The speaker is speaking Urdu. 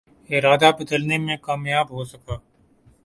ارادہ بدلنے میں کامیاب ہو سکا